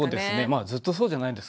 まあずっとそうじゃないんですか。